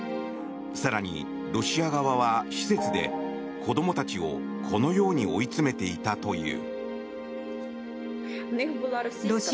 更に、ロシア側は施設で子供たちをこのように追い詰めていたという。